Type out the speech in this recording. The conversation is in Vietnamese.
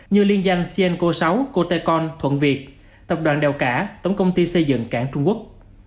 như liên danh sienco sáu cotecon thuận việt tập đoàn đèo cả tổng công ty xây dựng cảng trung quốc